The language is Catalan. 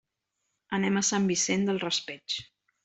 Anem a Sant Vicent del Raspeig.